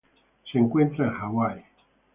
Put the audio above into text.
Se encuentra en Hawái.